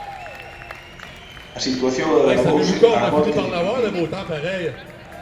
A situación agravouse á morte de Pipino.